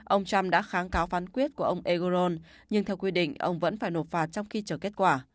ông trump đã kháng cáo phán quyết của ông egoron nhưng theo quy định ông vẫn phải nộp phạt trong khi chờ kết quả